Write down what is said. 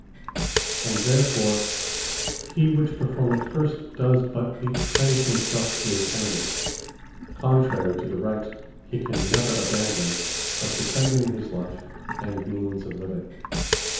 And therefore he which performeth first, does but betray himselfe to his enemy; contrary to the Right (he can never abandon) of defending his life, and means of living.